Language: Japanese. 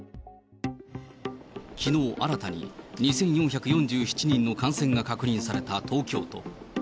きのう新たに２４４７人の感染が確認された東京都。